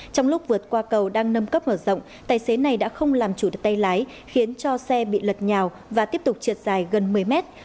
trong lúc vượt qua cầu đang nâng cấp mở rộng tài xế này đã không làm chủ được tay lái khiến cho xe bị lật nhào và tiếp tục trượt dài gần một mươi mét